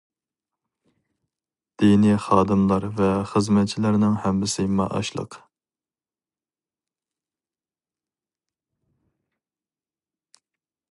دىنىي خادىملار ۋە خىزمەتچىلەرنىڭ ھەممىسى مائاشلىق.